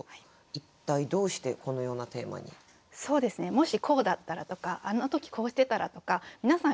もしこうだったらとかあんな時こうしてたらとか皆さん